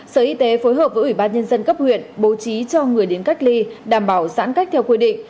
sở y tế phối hợp với ubnd cấp huyện bố trí cho người đến cách ly đảm bảo giãn cách theo quy định